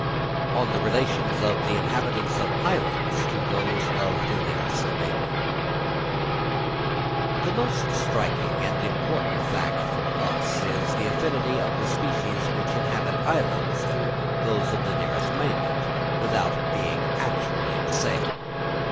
On the Relations of the Inhabitants of Islands to those of the nearest Mainland. The most striking and important fact for us is the affinity of the species which inhabit islands to those of the nearest mainland, without being actually the same.